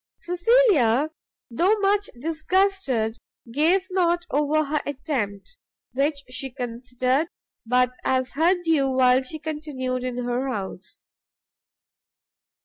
Cecilia, though much disgusted, gave not over her attempt, which she considered but as her due while she continued in her house.